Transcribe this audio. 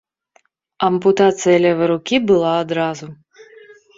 Ампутацыя левай рукі была адразу.